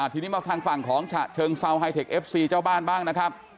ทีนี้มาทางฝั่งของฉะเชิงเซาไฮเทคเอฟซีเจ้าบ้านบ้างนะครับ